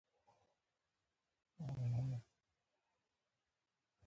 خو دومره وخت نه وي تېر شوی، اوبه یخې او سیلابي وې.